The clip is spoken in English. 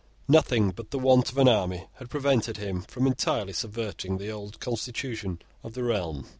Nothing but the want of an army had prevented him from entirely subverting the old constitution of the realm.